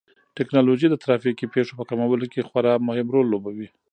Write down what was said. ټیکنالوژي د ترافیکي پېښو په کمولو کې خورا مهم رول لوبوي.